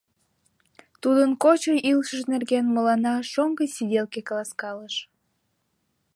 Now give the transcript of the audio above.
Тудын кочо илышыж нерген мыланна шоҥго сиделке каласкалыш.